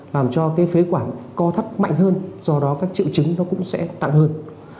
làm cho phế quản co thấp mạnh hơn do đó các triệu chứng cũng sẽ tặng hơn